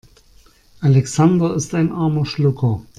Alexander ist ein armer Schlucker.